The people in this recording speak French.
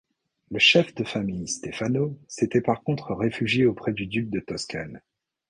Le chef de famille, Stefano, s'était par contre réfugié auprès du duc de Toscane.